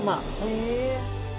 へえ。